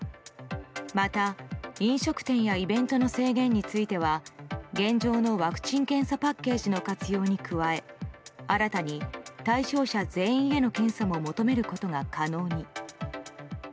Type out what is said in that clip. また、飲食店やイベントの制限については現状のワクチン・検査パッケージの活用に加え新たに対象者全員への検査も求めることが可能に。